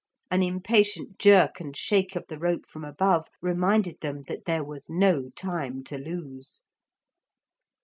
An impatient jerk and shake of the rope from above reminded them that there was no time to lose.